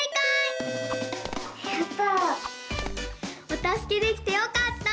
おたすけできてよかった！